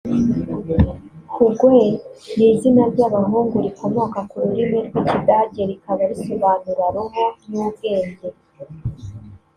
Hugues ni izina ry’abahungu rikomoka ku rurimi rw’Ikidage rikaba risobanura “Roho y’ubwenge”